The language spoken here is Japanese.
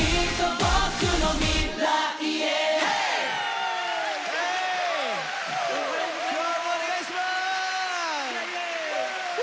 今日もお願いします！